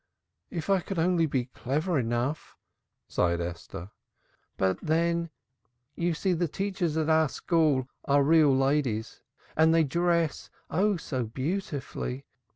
"If I could only be clever enough!" sighed Esther. "But then you see the teachers at our school are real ladies and they dress, oh, so beautifully!